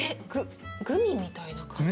グミみたいな感じ？